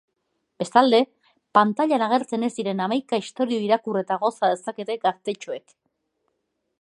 Bestalde, pantailan agertzen ez diren hamaika istorio irakur eta goza dezakete gaztetxoek.